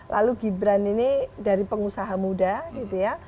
lalu gibran ini dari pengusaha muda gitu ya